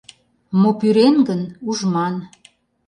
Мо пӱрен гын — ужман